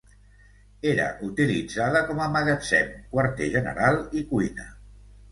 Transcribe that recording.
Era utilitzada com a magatzem, quarter general i cuina